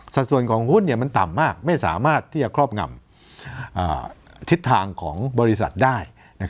ส่วนของหุ้นมันต่ำมากไม่สามารถที่จะครอบงำทิศทางของบริษัทได้